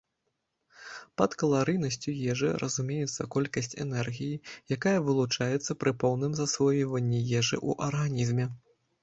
Пад каларыйнасцю ежы разумеецца колькасць энергіі, якая вылучаецца пры поўным засвойванні ежы ў арганізме.